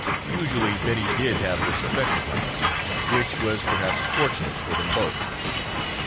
Usually Betty did have this effect upon him, which was perhaps fortunate for them both.